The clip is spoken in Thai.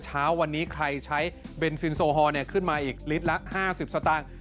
เช้าวันนี้ใครใช้เบนซินโซฮอลขึ้นมาอีกลิตรละ๕๐สตางค์